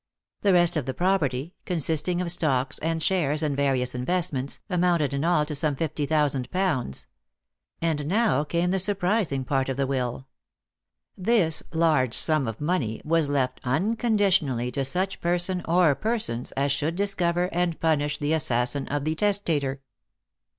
The rest of the property, consisting of stocks and shares and various investments, amounted in all to some fifty thousand pounds. And now came the surprising part of the will. This large sum of money was left unconditionally to such person or persons as should discover and punish the assassin of the testator.